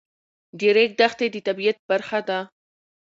د ریګ دښتې د طبیعت برخه ده.